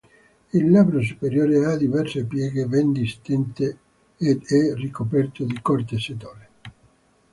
Il labbro superiore ha diverse pieghe ben distinte ed è ricoperto di corte setole.